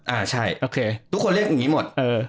อ่าใช่ทุกคนเรียกแบบนี้หมด